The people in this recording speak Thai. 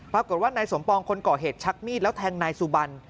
ปรากฏว่านายสมปองคนก่อเหตุชักมีดแล้วแทงนายสุบัน